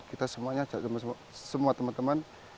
kita semuanya ajak semua teman teman